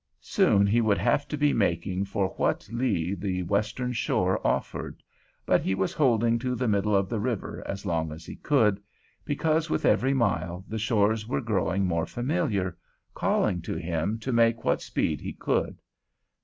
Soon he would have to be making for what lea the western shore offered; but he was holding to the middle of the river as long as he could, because with every mile the shores were growing more familiar, calling to him to make what speed he could.